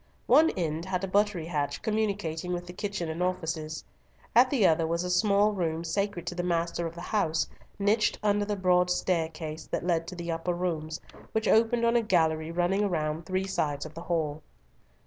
One end had a buttery hatch communicating with the kitchen and offices; at the other was a small room, sacred to the master of the house, niched under the broad staircase that led to the upper rooms, which opened on a gallery running round three sides of the hall.